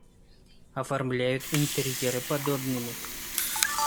Оформляют интерьеры подобными.